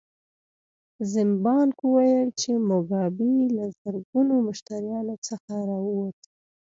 زیمبانک وویل چې موګابي له زرګونو مشتریانو څخه راووت.